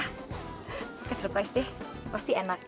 pakai surprise deh pasti enak